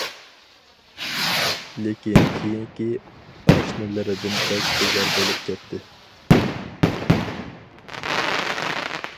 لېكىن كېيىنكى ئاشنىلىرىدىن بەك بىزار بولۇپ كەتتى.